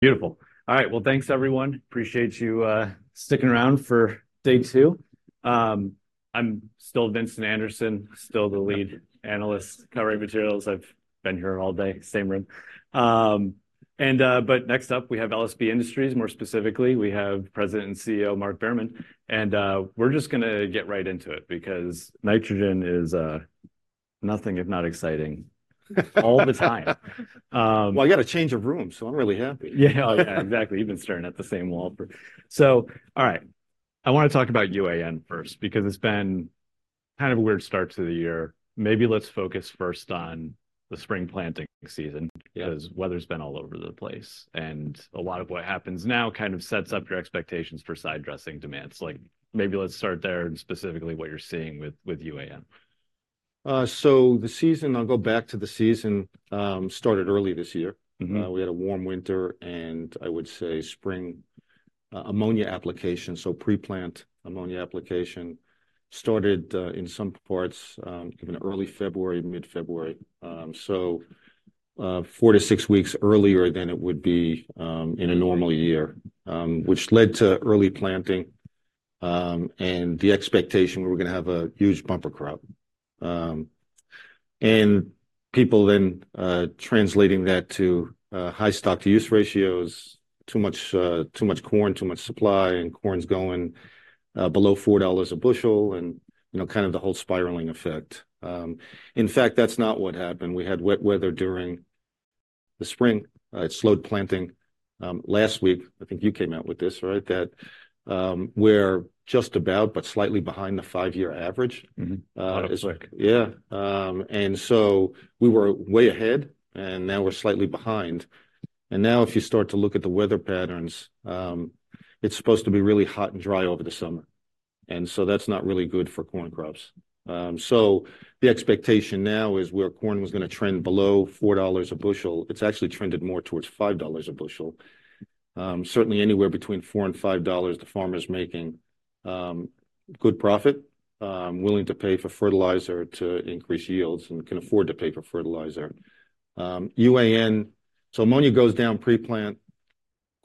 Beautiful. All right, well, thanks, everyone. Appreciate you sticking around for day two. I'm still Vincent Anderson, still the lead analyst covering materials. I've been here all day, same room. But next up, we have LSB Industries, more specifically, we have President and CEO, Mark Behrman. And we're just gonna get right into it, because nitrogen is nothing if not exciting all the time. Well, I got a change of room, so I'm really happy. Yeah, yeah, exactly. You've been staring at the same wall for. So all right, I wanna talk about UAN first, because it's been kind of a weird start to the year. Maybe let's focus first on the spring planting season- Yeah... 'cause weather's been all over the place, and a lot of what happens now kind of sets up your expectations for side dressing demands. Like, maybe let's start there, and specifically what you're seeing with, with UAN. So the season, I'll go back to the season, started early this year. Mm-hmm. We had a warm winter, and I would say spring ammonia application, so pre-plant ammonia application, started in some parts even early February, mid-February. So, 4-6 weeks earlier than it would be in a normal year, which led to early planting and the expectation we were gonna have a huge bumper crop. And people then translating that to high stock-to-use ratios, too much corn, too much supply, and corn's going below $4 a bushel, and, you know, kind of the whole spiraling effect. In fact, that's not what happened. We had wet weather during the spring. It slowed planting. Last week, I think you came out with this, right? That we're just about, but slightly behind the five-year average. Mm-hmm. It looks like. Yeah. And so we were way ahead, and now we're slightly behind. And now, if you start to look at the weather patterns, it's supposed to be really hot and dry over the summer, and so that's not really good for corn crops. So the expectation now is, where corn was gonna trend below $4 a bushel, it's actually trended more towards $5 a bushel. Certainly anywhere between $4 and $5, the farmer's making good profit, willing to pay for fertilizer to increase yields and can afford to pay for fertilizer. UAN. So ammonia goes down pre-plant,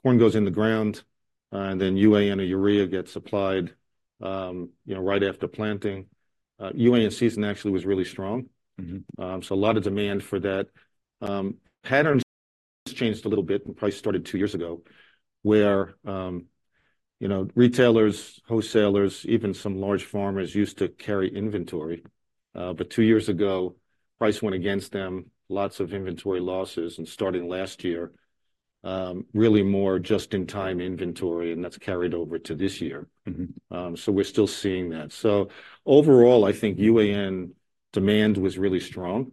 corn goes in the ground, and then UAN or urea gets applied, you know, right after planting. UAN's season actually was really strong. Mm-hmm. So a lot of demand for that. Patterns changed a little bit, and probably started two years ago, where, you know, retailers, wholesalers, even some large farmers, used to carry inventory. But two years ago, price went against them, lots of inventory losses, and starting last year, really more just-in-time inventory, and that's carried over to this year. Mm-hmm. So we're still seeing that. So overall, I think UAN demand was really strong.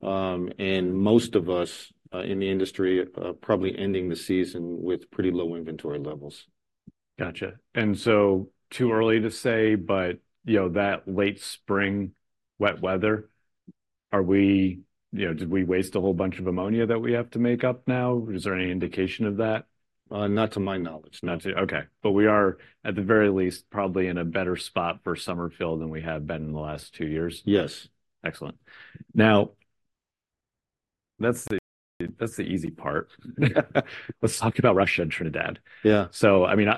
And most of us in the industry probably ending the season with pretty low inventory levels. Gotcha. And so, too early to say, but, you know, that late spring wet weather, are we... You know, did we waste a whole bunch of ammonia that we have to make up now? Is there any indication of that? Not to my knowledge. Okay, but we are, at the very least, probably in a better spot for summer fill than we have been in the last two years? Yes. Excellent. Now, that's the, that's the easy part. Let's talk about Russia and Trinidad. Yeah. So I mean,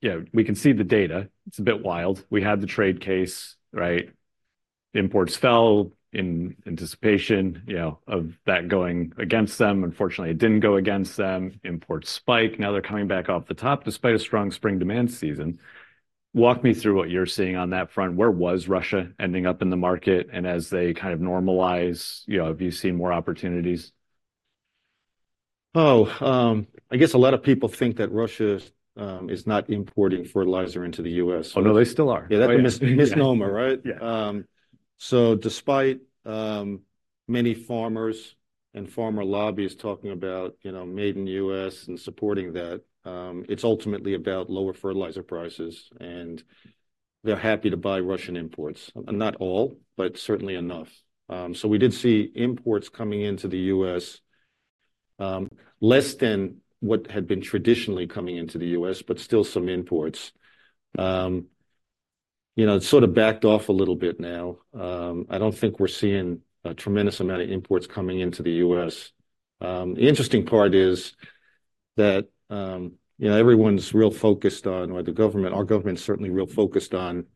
you know, we can see the data. It's a bit wild. We had the trade case, right? Imports fell in anticipation, you know, of that going against them. Unfortunately, it didn't go against them. Imports spike, now they're coming back off the top, despite a strong spring demand season. Walk me through what you're seeing on that front. Where was Russia ending up in the market? And as they kind of normalize, you know, have you seen more opportunities? Oh, I guess a lot of people think that Russia is not importing fertilizer into the U.S.- Oh, no, they still are. Yeah, that's a mis- Exactly... misnomer, right? Yeah. So despite many farmers and farmer lobbyists talking about, you know, made in the U.S. and supporting that, it's ultimately about lower fertilizer prices, and they're happy to buy Russian imports, not all, but certainly enough. So we did see imports coming into the U.S., less than what had been traditionally coming into the U.S., but still some imports. You know, it sort of backed off a little bit now. I don't think we're seeing a tremendous amount of imports coming into the U.S. The interesting part is that, you know, everyone's real focused on... Or the government, our government's certainly real focused on,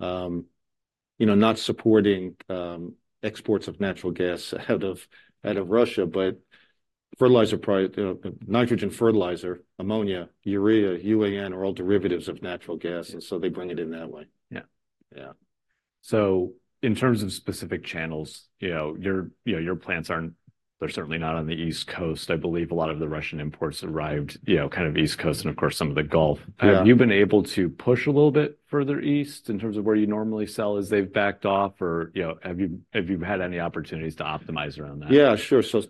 you know, not supporting exports of natural gas out of, out of Russia, but fertilizer—you know, nitrogen fertilizer, ammonia, urea, UAN, are all derivatives of natural gas- Yeah... and so they bring it in that way. Yeah, yeah. So in terms of specific channels, you know, your, you know, your plants aren't, they're certainly not on the East Coast. I believe a lot of the Russian imports arrived, you know, kind of East Coast, and of course, some of the Gulf. Yeah. Have you been able to push a little bit further east, in terms of where you normally sell, as they've backed off or, you know, have you, have you had any opportunities to optimize around that? Yeah, sure. So,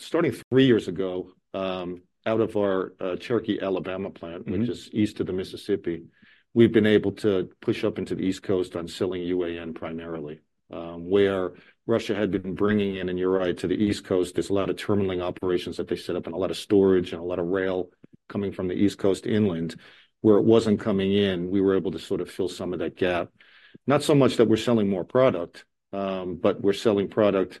starting three years ago, out of our Cherokee, Alabama plant- Mm-hmm ...which is east of the Mississippi, we've been able to push up into the East Coast on selling UAN primarily. Where Russia had been bringing in, and you're right, to the East Coast, there's a lot of terminalling operations that they set up, and a lot of storage, and a lot of rail coming from the East Coast inland, where it wasn't coming in, we were able to sort of fill some of that gap. Not so much that we're selling more product, but we're selling product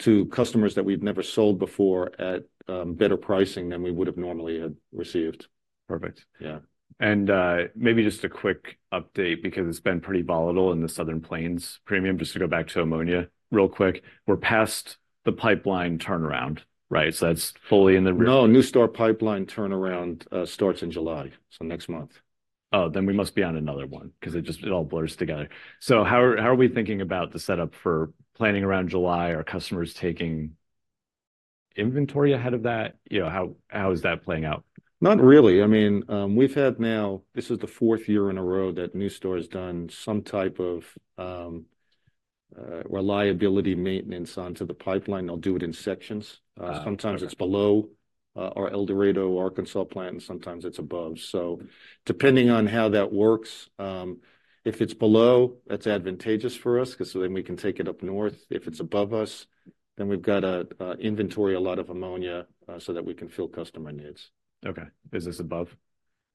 to customers that we've never sold before at better pricing than we would've normally had received. Perfect. Yeah. Maybe just a quick update, because it's been pretty volatile in the Southern Plains premium, just to go back to ammonia real quick. We're past the pipeline turnaround, right? So that's fully in the rear- No, NuStar pipeline turnaround starts in July, so next month. Oh, then we must be on another one, 'cause it just, it all blurs together. So how are, how are we thinking about the setup for planning around July? Are customers taking inventory ahead of that? You know, how, how is that playing out? Not really. I mean, we've had now. This is the fourth year in a row that NuStar has done some type of reliability maintenance onto the pipeline. They'll do it in sections. Ah. Sometimes it's below our El Dorado, Arkansas plant, and sometimes it's above. So depending on how that works, if it's below, that's advantageous for us, 'cause so then we can take it up north. If it's above us, then we've got to inventory a lot of ammonia, so that we can fill customer needs. Okay. Is this above?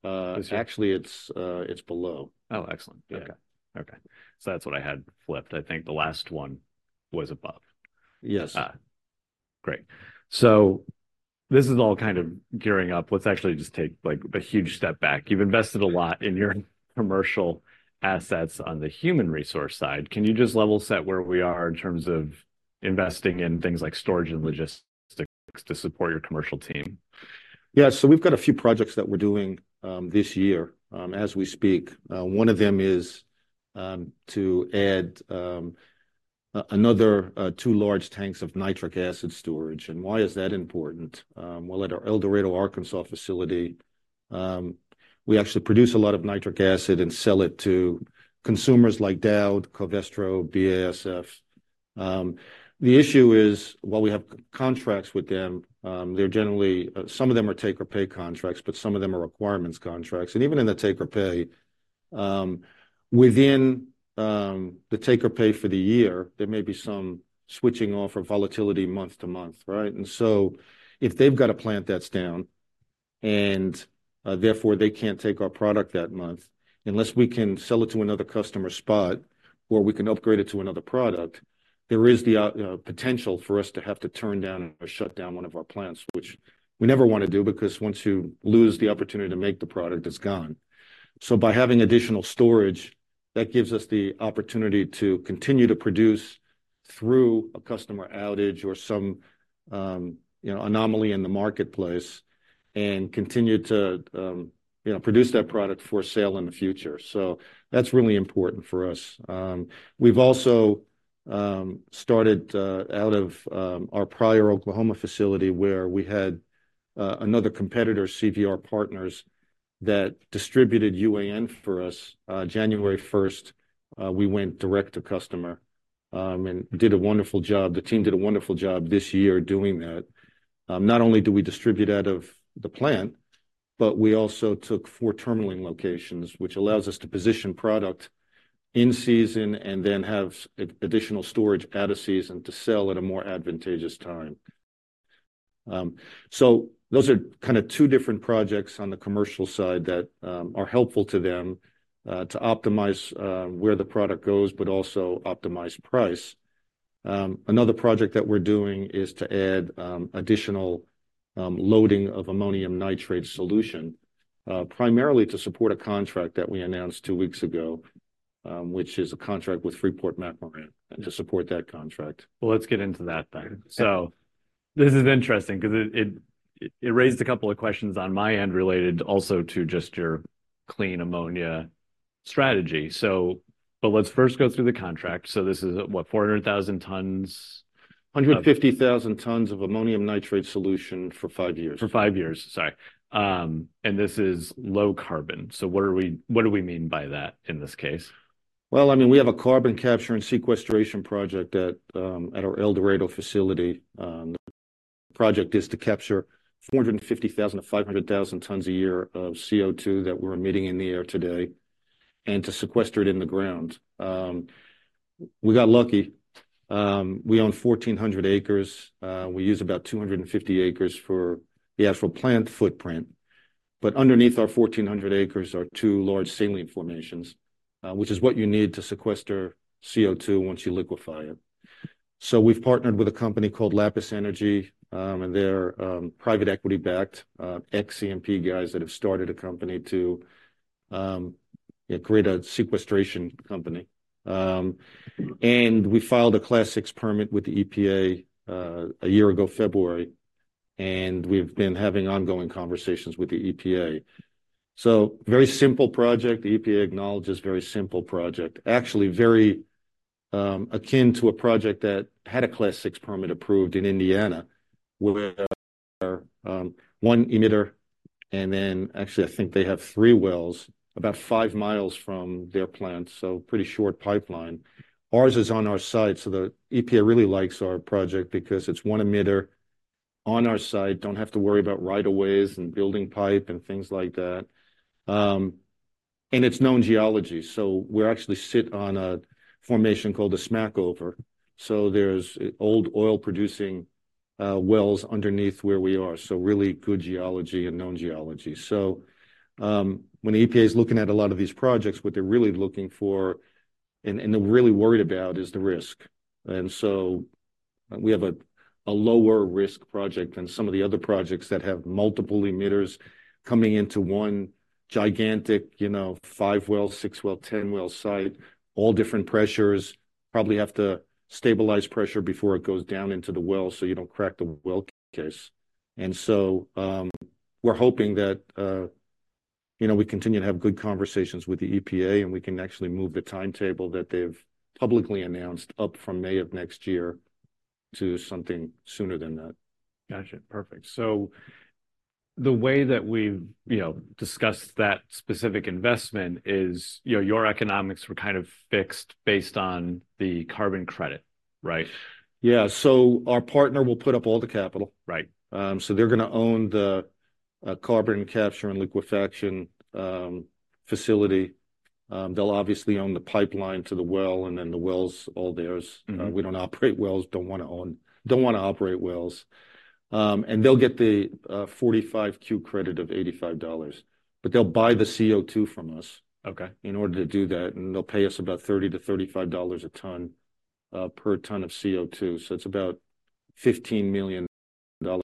Uh- This year. Actually, it's, it's below. Oh, excellent. Yeah. Okay. Okay. So that's what I had flipped. I think the last one was above. Yes. Great. So this is all kind of gearing up. Let's actually just take, like, a huge step back. You've invested a lot in your commercial assets on the human resource side. Can you just level set where we are in terms of investing in things like storage and logistics to support your commercial team? Yeah. So we've got a few projects that we're doing, this year, as we speak. One of them is to add another two large tanks of nitric acid storage. And why is that important? Well, at our El Dorado, Arkansas facility, we actually produce a lot of nitric acid and sell it to consumers like Dow, Covestro, BASF. The issue is, while we have contracts with them, they're generally... Some of them are take-or-pay contracts, but some of them are requirements contracts. And even in the take-or-pay, within the take-or-pay for the year, there may be some switching off or volatility month to month, right? And so if they've got a plant that's down, and therefore, they can't take our product that month, unless we can sell it to another customer spot, or we can upgrade it to another product, there is the potential for us to have to turn down or shut down one of our plants, which we never want to do, because once you lose the opportunity to make the product, it's gone. So by having additional storage, that gives us the opportunity to continue to produce through a customer outage or some, you know, anomaly in the marketplace and continue to, you know, produce that product for sale in the future. So that's really important for us. We've also started out of our Pryor, Oklahoma facility, where we had another competitor, CVR Partners, that distributed UAN for us. January 1st, we went direct to customer and did a wonderful job. The team did a wonderful job this year doing that. Not only do we distribute out of the plant, but we also took four terminaling locations, which allows us to position product in season and then have additional storage out of season to sell at a more advantageous time. So those are kind of two different projects on the commercial side that are helpful to them to optimize where the product goes, but also optimize price. Another project that we're doing is to add additional loading of ammonium nitrate solution, primarily to support a contract that we announced two weeks ago, which is a contract with Freeport-McMoRan and to support that contract. Well, let's get into that then. Yeah. This is interesting, 'cause it raised a couple of questions on my end related also to just your clean ammonia strategy. But let's first go through the contract. So this is, what? 400,000 tons- 150,000 tons of ammonium nitrate solution for five years. For five years, sorry. This is low carbon. What do we, what do we mean by that in this case? Well, I mean, we have a carbon capture and sequestration project at our El Dorado facility. The project is to capture 450,000-500,000 tons a year of CO2 that we're emitting in the air today, and to sequester it in the ground. We got lucky. We own 1,400 acres. We use about 250 acres for the actual plant footprint, but underneath our 1,400 acres are two large saline formations, which is what you need to sequester CO2 once you liquefy it. So we've partnered with a company called Lapis Energy, and they're private equity-backed, ex-CMP guys that have started a company to create a sequestration company. And we filed a Class VI permit with the EPA a year ago February, and we've been having ongoing conversations with the EPA. So very simple project. The EPA acknowledges very simple project. Actually, very akin to a project that had a Class VI permit approved in Indiana, where one emitter, and then... Actually, I think they have three wells about five miles from their plant, so pretty short pipeline. Ours is on our site, so the EPA really likes our project, because it's one emitter on our site. Don't have to worry about rights of way, and building pipe, and things like that. And it's known geology, so we actually sit on a formation called a Smackover. So there's old oil-producing wells underneath where we are, so really good geology and known geology. When the EPA is looking at a lot of these projects, what they're really looking for and, and they're really worried about is the risk. We have a lower risk project than some of the other projects that have multiple emitters coming into one gigantic, you know, 5-well, 6-well, 10-well site. All different pressures, probably have to stabilize pressure before it goes down into the well so you don't crack the well case. We're hoping that, you know, we continue to have good conversations with the EPA, and we can actually move the timetable that they've publicly announced up from May of next year to something sooner than that. Gotcha. Perfect. So the way that we've, you know, discussed that specific investment is, you know, your economics were kind of fixed based on the carbon credit, right? Yeah. So our partner will put up all the capital. Right. So they're gonna own the carbon capture and liquefaction facility. They'll obviously own the pipeline to the well, and then the well's all theirs. Mm-hmm. We don't operate wells, don't wanna operate wells. And they'll get the 45Q credit of $85, but they'll buy the CO2 from us- Okay... in order to do that, and they'll pay us about $30-$35 a ton per ton of CO2. So it's about $15 million a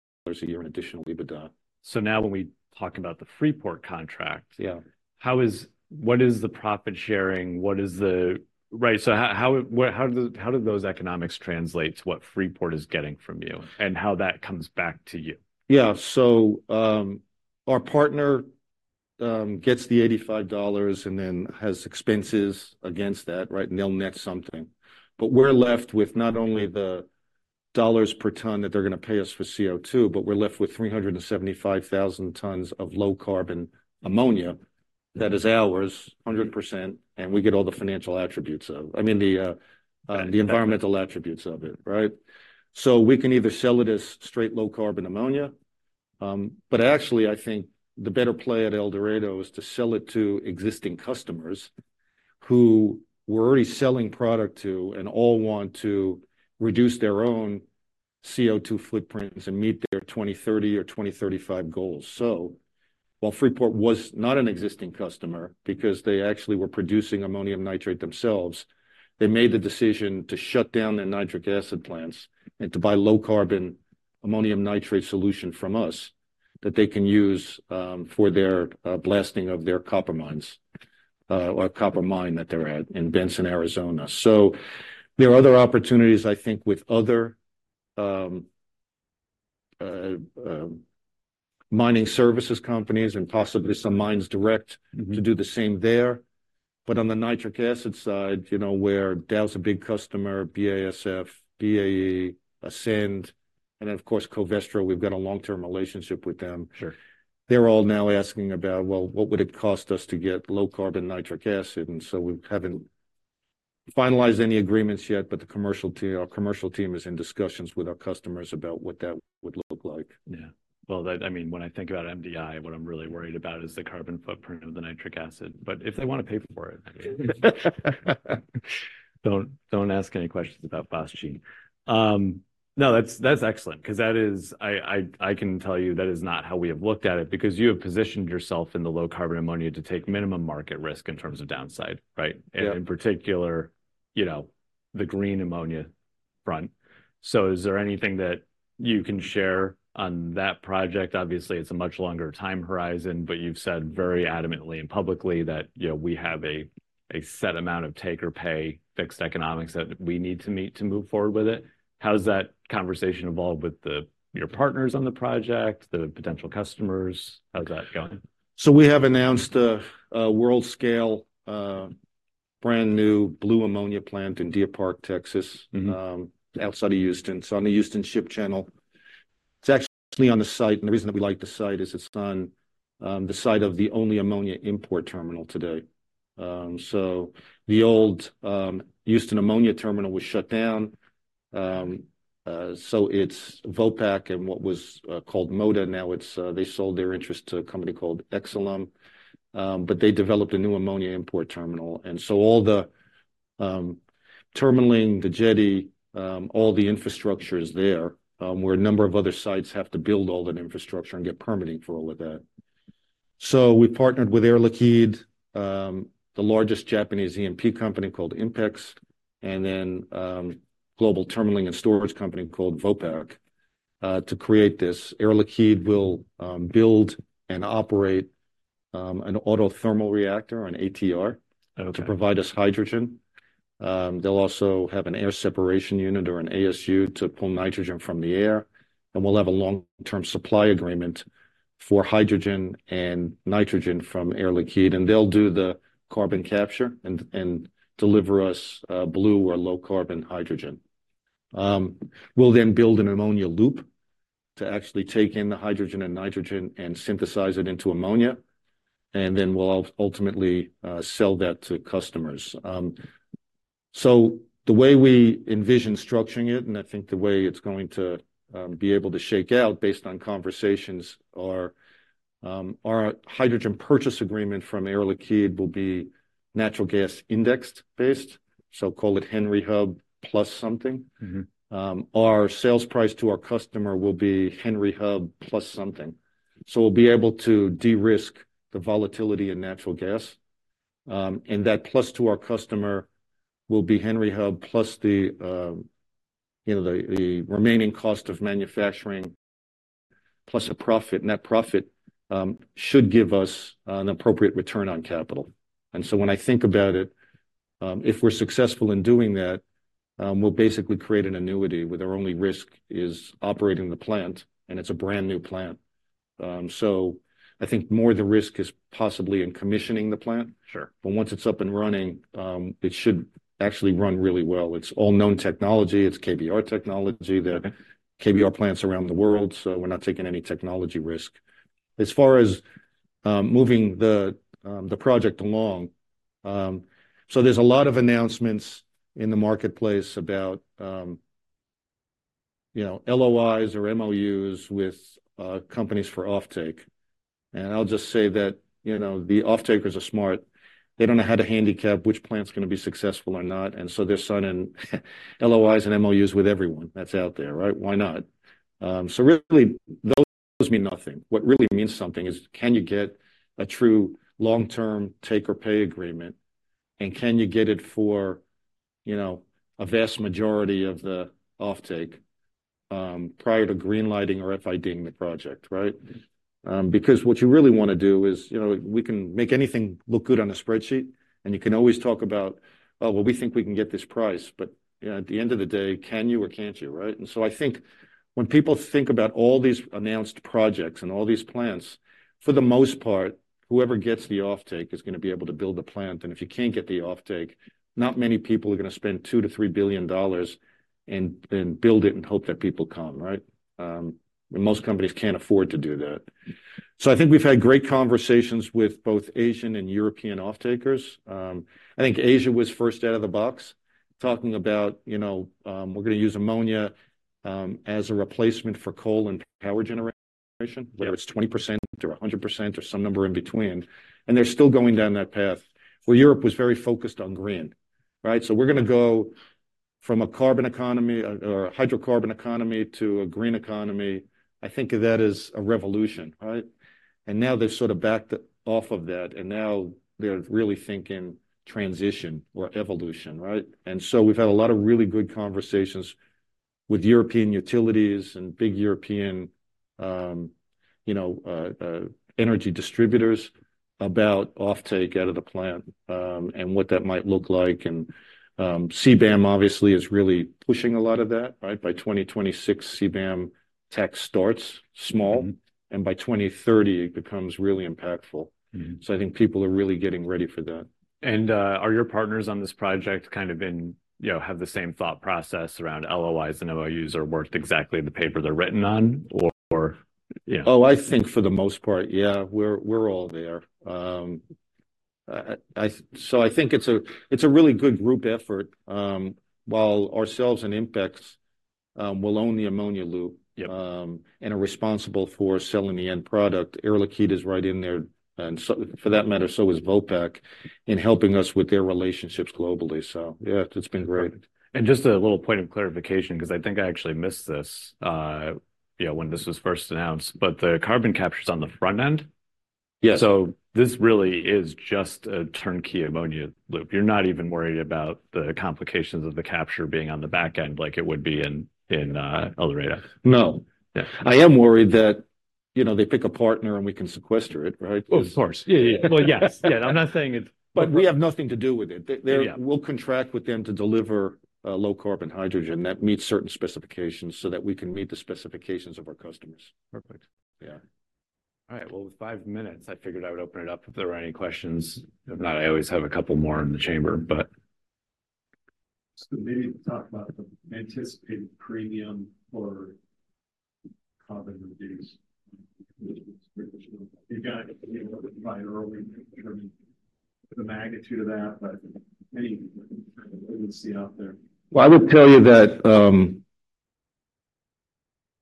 year in additional EBITDA. So now when we talk about the Freeport-McMoRan contract- Yeah... how is—what is the profit sharing? What is the... Right, so how do those economics translate to what Freeport is getting from you and how that comes back to you? Yeah. So, our partner gets the $85 and then has expenses against that, right? And they'll net something. But we're left with not only the dollars per ton that they're gonna pay us for CO2, but we're left with 375,000 tons of low-carbon ammonia that is ours, 100%, and we get all the financial attributes of-- I mean, the- Yeah... the environmental attributes of it, right? So we can either sell it as straight low-carbon ammonia, but actually, I think the better play at El Dorado is to sell it to existing customers who we're already selling product to and all want to reduce their own CO2 footprints and meet their 2030 or 2035 goals. So while Freeport was not an existing customer because they actually were producing ammonium nitrate themselves, they made the decision to shut down their nitric acid plants and to buy low-carbon ammonium nitrate solution from us, that they can use, for their blasting of their copper mines, or copper mine that they're at in Benson, Arizona. So there are other opportunities, I think, with other mining services companies and possibly some mines direct- Mm-hmm... to do the same there. But on the nitric acid side, you know, where Dow's a big customer, BASF, BAE, Ascend, and of course, Covestro, we've got a long-term relationship with them. Sure. They're all now asking about, "Well, what would it cost us to get low-carbon nitric acid?" And so we haven't finalized any agreements yet, but the commercial team, our commercial team, is in discussions with our customers about what that would look like. Yeah. Well, that, I mean, when I think about MDI, what I'm really worried about is the carbon footprint of the nitric acid, but if they wanna pay for it, don't ask any questions about Boschi. No, that's excellent 'cause that is... I can tell you, that is not how we have looked at it because you have positioned yourself in the low-carbon ammonia to take minimum market risk in terms of downside, right? Yeah. And in particular, you know, the green ammonia front. So is there anything that you can share on that project? Obviously, it's a much longer time horizon, but you've said very adamantly and publicly that, you know, we have a, a set amount of take-or-pay fixed economics that we need to meet to move forward with it. How has that conversation evolved with the, your partners on the project, the potential customers? How's that going? So we have announced a world-scale, brand-new blue ammonia plant in Deer Park, Texas. Mm-hmm... outside of Houston, so on the Houston Ship Channel. It's actually on the site, and the reason that we like the site is it's on, the site of the only ammonia import terminal today. So the old, Houston Ammonia Terminal was shut down. So it's Vopak and what was, called Moda. Now, it's, they sold their interest to a company called Exolum. But they developed a new ammonia import terminal, and so all the, terminaling, the jetty, all the infrastructure is there, where a number of other sites have to build all that infrastructure and get permitting for all of that. So we partnered with Air Liquide, the largest Japanese E&P company called INPEX, and then, global terminaling and storage company called Vopak, to create this. Air Liquide will build and operate an autothermal reactor, an ATR- Okay... to provide us hydrogen. They'll also have an air separation unit, or an ASU, to pull nitrogen from the air, and we'll have a long-term supply agreement for hydrogen and nitrogen from Air Liquide. And they'll do the carbon capture and deliver us blue or low-carbon hydrogen. We'll then build an ammonia loop to actually take in the hydrogen and nitrogen and synthesize it into ammonia, and then we'll ultimately sell that to customers. So the way we envision structuring it, and I think the way it's going to be able to shake out based on conversations, are our hydrogen purchase agreement from Air Liquide will be natural gas indexed based, so call it Henry Hub plus something. Mm-hmm. Our sales price to our customer will be Henry Hub plus something. So we'll be able to de-risk the volatility in natural gas, and that plus to our customer will be Henry Hub plus the, you know, the remaining cost of manufacturing, plus a profit. Net profit should give us an appropriate return on capital. And so when I think about it, if we're successful in doing that, we'll basically create an annuity, where their only risk is operating the plant, and it's a brand-new plant. So I think more the risk is possibly in commissioning the plant. Sure. But once it's up and running, it should actually run really well. It's all known technology. It's KBR technology. Mm-hmm. There are KBR plants around the world, so we're not taking any technology risk. As far as moving the project along, so there's a lot of announcements in the marketplace about, you know, LOIs or MOUs with companies for offtake. And I'll just say that, you know, the offtakers are smart. They don't know how to handicap which plant's gonna be successful or not, and so they're signing LOIs and MOUs with everyone that's out there, right? Why not? So really, those mean nothing. What really means something is, can you get a true long-term take-or-pay agreement, and can you get it for, you know, a vast majority of the offtake, prior to greenlighting or FID-ing the project, right? Mm-hmm. Because what you really wanna do is, you know, we can make anything look good on a spreadsheet, and you can always talk about, "Well, we think we can get this price," but, you know, at the end of the day, can you or can't you, right? And so I think when people think about all these announced projects and all these plans, for the most part, whoever gets the offtake is gonna be able to build the plant. And if you can't get the offtake, not many people are gonna spend $2 billion-$3 billion and build it and hope that people come, right? And most companies can't afford to do that. So I think we've had great conversations with both Asian and European offtakers. I think Asia was first out of the box, talking about, you know, we're gonna use ammonia as a replacement for coal and power generation, whether it's 20% or 100% or some number in between, and they're still going down that path. Well, Europe was very focused on green, right? So we're gonna go from a carbon economy, or a hydrocarbon economy, to a green economy. I think of that as a revolution, right? And now they've sort of backed off of that, and now they're really thinking transition or evolution, right? And so we've had a lot of really good conversations with European utilities and big European, you know, energy distributors about offtake out of the plant and what that might look like. And CBAM obviously is really pushing a lot of that, right? By 2026, CBAM tech starts small- Mm-hmm. By 2030, it becomes really impactful. Mm-hmm. So I think people are really getting ready for that. are your partners on this project kind of in, you know, have the same thought process around LOIs and MOUs, are worth exactly the paper they're written on or... Yeah. Oh, I think for the most part, yeah, we're all there. So I think it's a really good group effort. While ourselves and INPEX will own the ammonia loop- Yep... and are responsible for selling the end product, Air Liquide is right in there, and so, for that matter, so is Vopak, in helping us with their relationships globally. So yeah, it's been great. Just a little point of clarification, 'cause I think I actually missed this, yeah, when this was first announced, but the carbon capture's on the front end? Yes. This really is just a turnkey ammonia loop. You're not even worried about the complications of the capture being on the back end, like it would be in El Dorado? No. Yeah. I am worried that, you know, they pick a partner, and we can sequester it, right? Of course. Yeah, yeah. Well, yes. Yeah, I'm not saying it- But we have nothing to do with it. They- Yeah... We'll contract with them to deliver low-carbon hydrogen that meets certain specifications, so that we can meet the specifications of our customers. Perfect. Yeah. All right. Well, with five minutes, I figured I would open it up if there were any questions. If not, I always have a couple more in the chamber, but... So maybe talk about the anticipated premium for carbon-reduced. You've got to, you know, buy early to determine the magnitude of that, but any kind of what you see out there? Well, I would tell you that,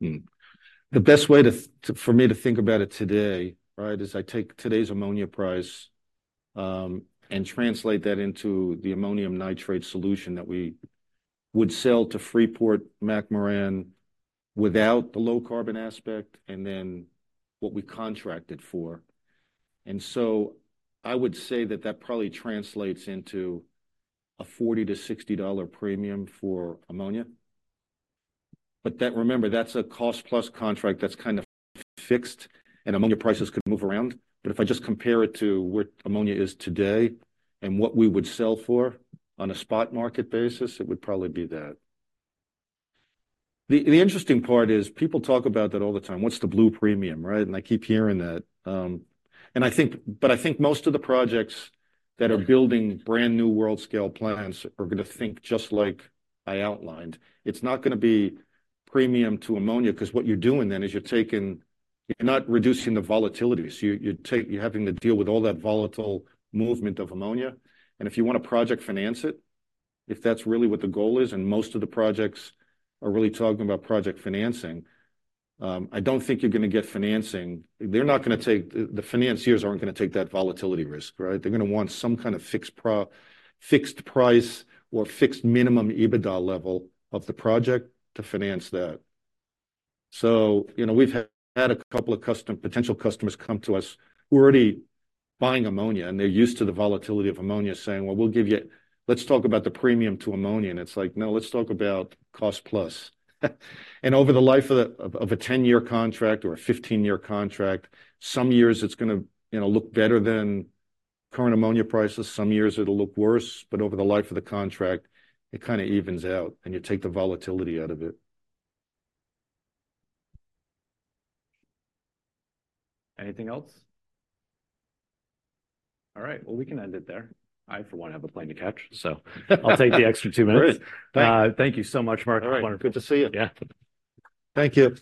the best way to, for me to think about it today, right, is I take today's ammonia price, and translate that into the ammonium nitrate solution that we would sell to Freeport-McMoRan without the low carbon aspect, and then what we contracted for. And so I would say that that probably translates into a $40-$60 premium for ammonia. But that, remember, that's a cost-plus contract that's kind of fixed, and ammonia prices could move around. But if I just compare it to where ammonia is today and what we would sell for on a spot market basis, it would probably be that. The interesting part is, people talk about that all the time, "What's the blue premium," right? And I keep hearing that. But I think most of the projects that are building brand-new world scale plants are gonna think just like I outlined. It's not gonna be premium to ammonia, 'cause what you're doing then is you're not reducing the volatility. So you're having to deal with all that volatile movement of ammonia. And if you want to project finance it, if that's really what the goal is, and most of the projects are really talking about project financing, I don't think you're gonna get financing. They're not gonna take that volatility risk, right? They're gonna want some kind of fixed price or fixed minimum EBITDA level of the project to finance that. So, you know, we've had a couple of potential customers come to us who are already buying ammonia, and they're used to the volatility of ammonia, saying, "Well, we'll give you—Let's talk about the premium to ammonia." And it's like: "No, let's talk about cost plus." And over the life of a 10-year contract or a 15-year contract, some years it's gonna, you know, look better than current ammonia prices, some years it'll look worse, but over the life of the contract, it kind of evens out, and you take the volatility out of it. Anything else? All right, well, we can end it there. I, for one, have a plane to catch, so, I'll take the extra two minutes. Great. Thank you. Thank you so much, Mark. All right. Wonderful. Good to see you. Yeah. Thank you.